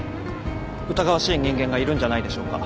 疑わしい人間がいるんじゃないでしょうか。